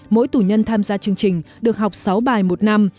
mỗi tù nhân tham gia chương trình được học sáu bài một năm